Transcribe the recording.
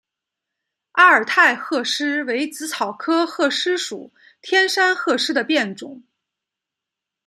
阿尔泰鹤虱为紫草科鹤虱属天山鹤虱的变种。